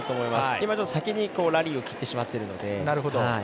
今、先にラリーを切ってしまっているので。